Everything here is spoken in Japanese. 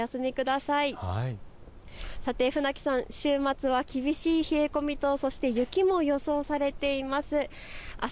さて船木さん、週末は厳しい冷え込みと雪も予想されています。